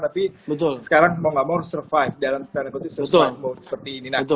tapi sekarang mau nggak mau harus survive dalam terkoneksi surviving mood seperti ini